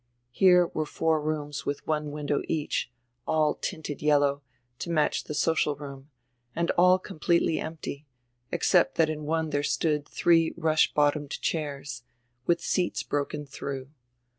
Here were four rooms widi one window each, all tinted yellow, to match die social room, and all completely empty, except diat in one diere stood diree rush bottomed chairs, widi seats broken dirough.